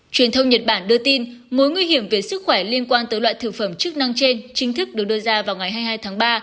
truyền thông nhật bản đưa tin mối nguy hiểm về sức khỏe liên quan tới loại thực phẩm chức năng trên chính thức được đưa ra vào ngày hai mươi hai tháng ba